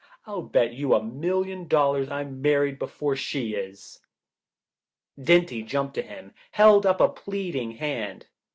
I'll bet you a million dollars I'm married before she is." Dinty jumped to him, held up a pleading hand.